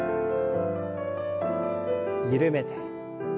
緩めて。